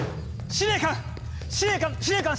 司令官司令官司令官！